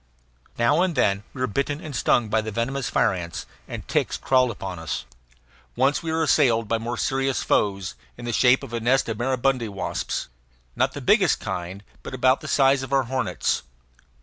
Now and then we were bitten and stung by the venomous fire ants, and ticks crawled upon us. Once we were assailed by more serious foes, in the shape of a nest of maribundi wasps, not the biggest kind, but about the size of our hornets.